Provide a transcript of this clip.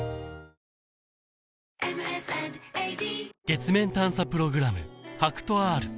月面探査プログラム